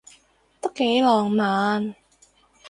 都幾浪漫